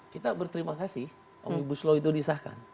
kita berterima kasih omnibus law itu disahkan